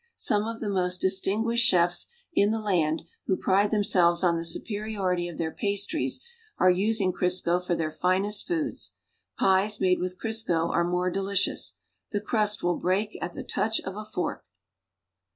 Some of the most distinguished chefs in the land who pride themselves on the superiority of their pastries, are using Crisco for their finest foods. Pies made with Crisco are more delicious. The crust will break at the touch of a fork.